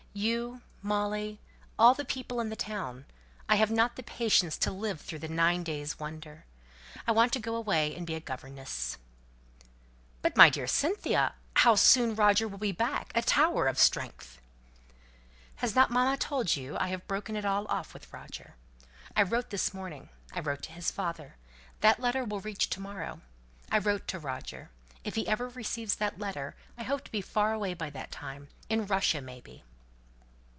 You, Molly, all the people in the town, I haven't the patience to live through the nine days' wonder. I want to go away and be a governess." "But, my dear Cynthia, how soon Roger will be back, a tower of strength!" "Has not mamma told you I have broken it all off with Roger? I wrote this morning. I wrote to his father. That letter will reach to morrow. I wrote to Roger. If he ever receives that letter, I hope to be far away by that time; in Russia may be."